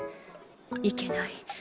いけない。